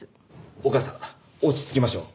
お母さん落ち着きましょう。